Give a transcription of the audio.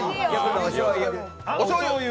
おしょうゆ。